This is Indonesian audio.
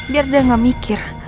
biar dia gak mikir